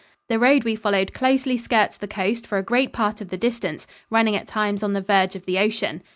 The road we followed closely skirts the coast for a great part of the distance, running at times on the verge of the ocean.